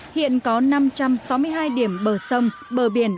hiện có năm trăm sáu mươi hai điểm bờ sông bờ biển